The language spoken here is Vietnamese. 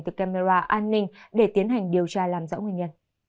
từ camera an ninh để tiến hành điều tra làm rõ nguyên nhân